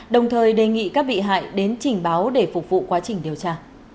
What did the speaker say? đồng thời đề nghị các bị hại đến trình báo để phục vụ quá trình điều tra